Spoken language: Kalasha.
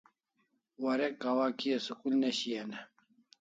Warek kawa kia school ne shian e?